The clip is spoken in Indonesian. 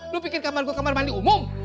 lu pikir kamar gue kamar mandi umum